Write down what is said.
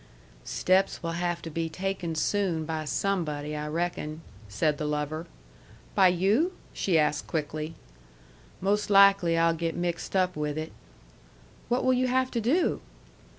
"Steps will have to be taken soon by somebody, I reckon," said the lover. "By you?" she asked quickly. "Most likely I'll get mixed up with it." "What will you have to do?"